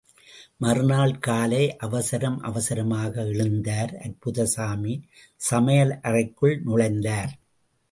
மறுநாள் காலை, அவசரம் அவசரமாக எழுந்தார் அற்புதசாமி, சமையலறைக்குள் நுழைந்தார்.